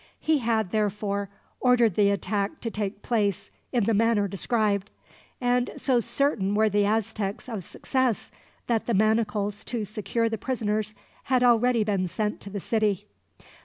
He had, therefore, ordered the attack to take place in the manner described; and so certain were the Aztecs of success that the manacles to secure the prisoners had already been sent to the city.